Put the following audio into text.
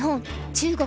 中国